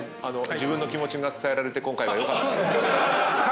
自分の気持ちが伝えられて今回よかったですね。